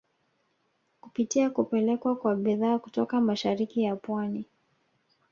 Kupitia kupelekwa kwa bidhaa kutoka mashariki ya pwani